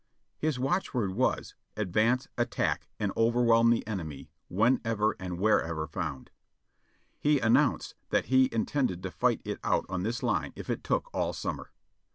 His watchword was, advance, attack, and overwhelm the enemy whenever and wherever found. He announced that he intended fighting it out on this line if it took all summer.